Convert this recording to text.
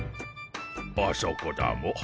あそこだモ。